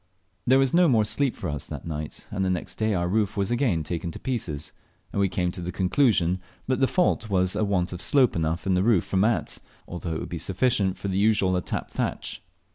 There was no more sleep for us that night, and the next day our roof was again taken to pieces, and we came to the conclusion that the fault was a want of slope enough in the roof for mats, although it would be sufficient for the usual attap thatch.